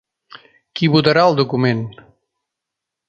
Qui votarà el document?